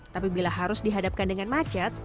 tapi bila harus dihadapkan dengan macet